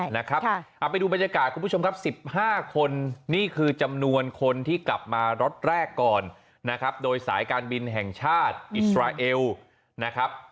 เอาไปดูบรรยากาศคุณผู้ชมครับ๑๕คนนี่คือจำนวนคนที่กลับมารถแรกก่อนนะครับโดยสายการบินแห่งชาติอิสราเอลนะครับ